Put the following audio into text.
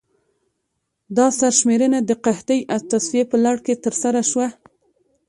دا سرشمېرنه د قحطۍ او تصفیې په لړ کې ترسره شوه.